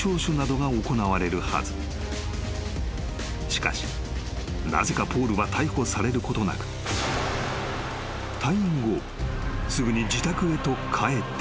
［しかしなぜかポールは逮捕されることなく退院後すぐに自宅へと帰っていた］